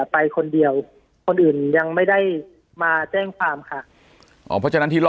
ปากกับภาคภูมิ